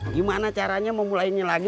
gimana caranya memulainya lagi